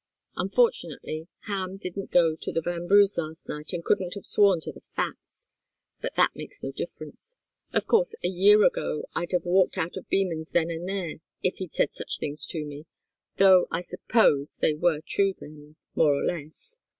Unfortunately, Ham didn't go to the Vanbrughs' last night and couldn't have sworn to the facts. But that makes no difference. Of course, a year ago I'd have walked out of Beman's then and there, if he'd said such things to me, though I suppose they were true then, more or less.